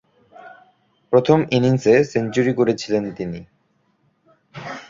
প্রথম ইনিংসে সেঞ্চুরি করেছিলেন তিনি।